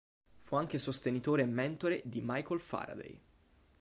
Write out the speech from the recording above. Fu anche sostenitore e mentore di Michael Faraday.